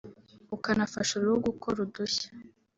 ukanafasha uruhu gukora udushya